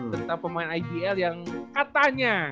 tentang pemain igl yang katanya